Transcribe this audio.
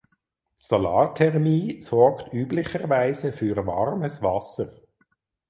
Solarthermie sorgt üblicherweise für warmes Wasser.